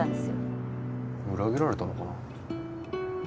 裏切られたのかな？